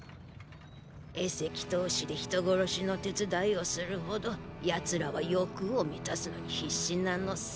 エセ祈師で人殺しの手伝いをするほど奴らは欲を満たすのに必死なのさ。